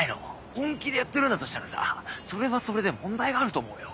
本気でやってるんだとしたらさそれはそれで問題があると思うよ。